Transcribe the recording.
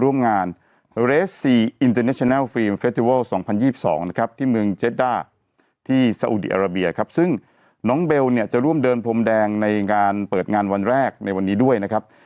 ว่าน้องเบลเนี่ยจะร่วมเดินพรมแดงในการเปิดงานวันแรกในวันนี้ด้วยนะครับ